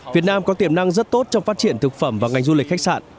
việt nam có tiềm năng rất tốt trong phát triển thực phẩm và ngành du lịch khách sạn